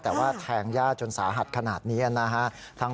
แต่ว่าแทงย่าจนสาหัสขนาดนี้นะฮะ